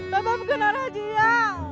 papa bukan arah dia